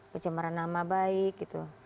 kecemaran nama baik gitu